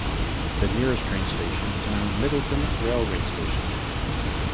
The nearest train station is now Midleton railway station.